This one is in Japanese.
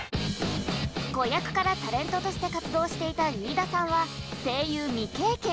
子役からタレントとして活動していた飯田さんは声優未経験。